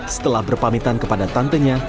setelah berpamitan kepada tantenya